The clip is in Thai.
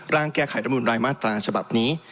ร่างแก้ไขรัฐมนุนรายมาตราฉบับนี้